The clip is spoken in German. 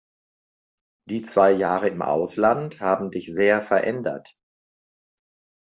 Die zwei Jahre im Ausland haben dich sehr verändert.